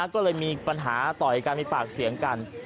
ก็เลยมีปัญหาต่อยกันมีปากเสียงกัน